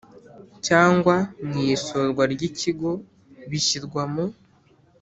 cyangwa mu isurwa ry ikigo bishyirwa mu